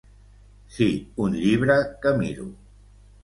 Sí, un llibre que miro.